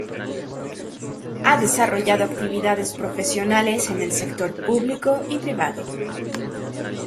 Ha desarrollado actividades profesionales en el sector público y privado.